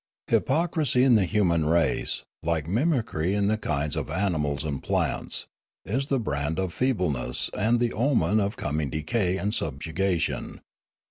Hypocrisy in the human race, like mimicry in the kinds of animals and plants, is the brand of feebleness and the omen of coming decay and subjugation.